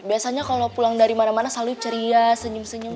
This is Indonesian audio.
biasanya kalau pulang dari mana mana selalu ceria senyum senyum